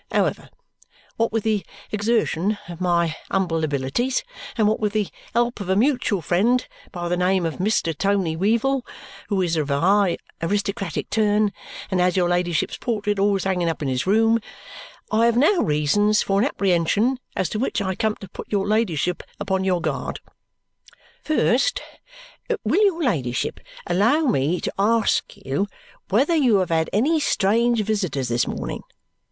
However, what with the exertion of my humble abilities, and what with the help of a mutual friend by the name of Mr. Tony Weevle (who is of a high aristocratic turn and has your ladyship's portrait always hanging up in his room), I have now reasons for an apprehension as to which I come to put your ladyship upon your guard. First, will your ladyship allow me to ask you whether you have had any strange visitors this morning?